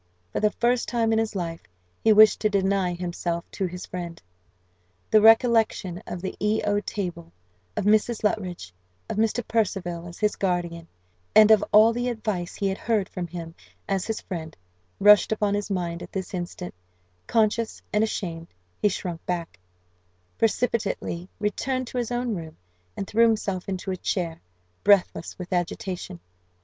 For the first time in his life, he wished to deny himself to his friend. The recollection of the E O table, of Mrs. Luttridge, of Mr. Percival as his guardian, and of all the advice he had heard from him as his friend, rushed upon his mind at this instant; conscious and ashamed, he shrunk back, precipitately returned to his own room, and threw himself into a chair, breathless with agitation.